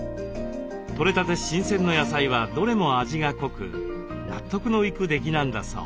取れたて新鮮の野菜はどれも味が濃く納得のいく出来なんだそう。